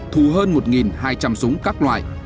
thù hơn một hai trăm linh súng các loại